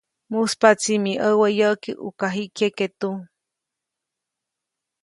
Mujspaʼtsi mi ʼäwä yäʼki ʼuka jiʼ kyeke tu.